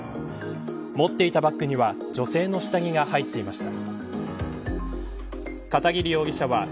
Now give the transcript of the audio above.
持っていたバッグには女性の下着が入っていました。